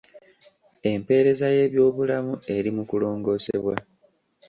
Empeereza y'ebyobulamu eri mu kulongosebwa.